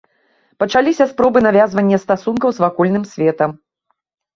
Пачаліся спробы навязвання стасункаў з вакольным светам.